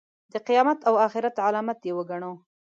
د قیامت او آخرت علامت یې وګڼو.